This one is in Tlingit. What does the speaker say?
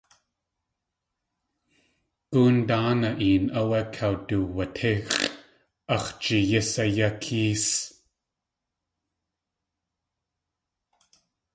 Góon dáanaa een áwé kawduwatʼíx̲ʼ ax̲ jeeyís yá kées.